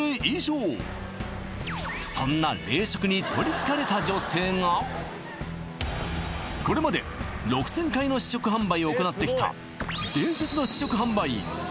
そんなこれまで６０００回の試食販売を行ってきた